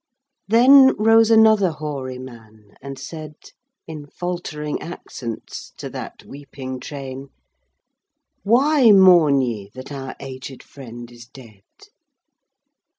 Then rose another hoary man and said, In faltering accents, to that weeping train, "Why mourn ye that our aged friend is dead?